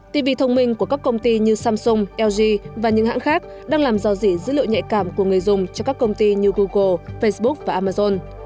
tv thông minh của các công ty như samsung lg và những hãng khác đang làm dò dỉ dữ liệu nhạy cảm của người dùng cho các công ty như google facebook và amazon